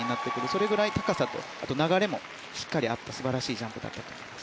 それぐらい高さと流れもしっかりあった素晴らしいジャンプだったと思います。